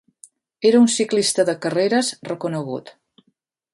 Era un ciclista de carreres reconegut.